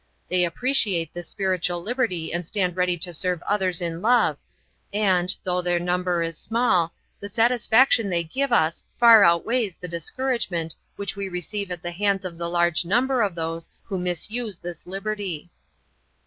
They appreciate this spiritual liberty and stand ready to serve others in love and, though their number is small, the satisfaction they give us far outweighs the discouragement which we receive at the hands of the large number of those who misuse this liberty.